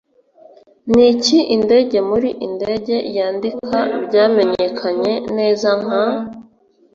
Niki Indege Muri Indege Yandika Byamenyekanye neza Nka?